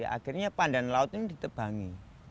akhirnya pandan laut ini ditebangi